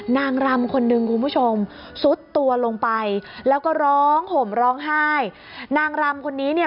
นางรำคนนึงคุณผู้ชมซุดตัวลงไปแล้วก็ร้องห่มร้องไห้นางรำคนนี้เนี่ย